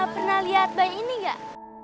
pernah liat bayi ini gak